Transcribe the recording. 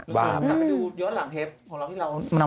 กลับไปดูย้อนหลังเทปของเราที่เรานำเสนอวันนั้น